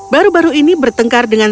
baru baru ini bertengkar dengan